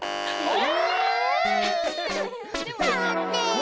え？